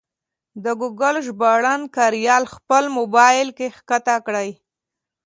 د ګوګل ژباړن کریال خپل مبایل کې کښته کړئ.